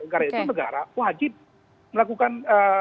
karena itu negara wajib melakukan